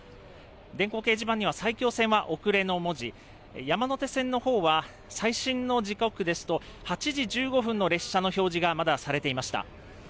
電光掲示板には埼京線は遅れの文字、山手線のほうは最新の時刻ですと８時１５分の列車の表示がまだされていました。